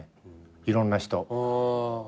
いろんな人。